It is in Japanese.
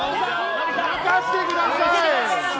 任せてください。